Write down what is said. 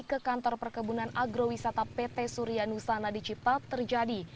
ke kantor perkebunan agrowisata pt surianusana dicipta terjadi